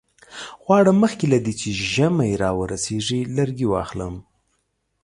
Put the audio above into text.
غواړم مخکې له دې چې ژمی را ورسیږي لرګي واخلم.